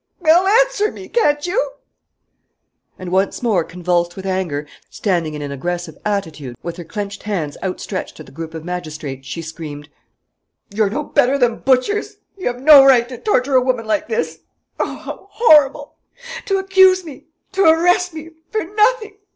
Well?... Answer me, can't you?" And once more convulsed with anger, standing in an aggressive attitude, with her clenched hands outstretched at the group of magistrates, she screamed: "You're no better than butchers ... you have no right to torture a woman like this.... Oh, how horrible! To accuse me ... to arrest me ... for nothing!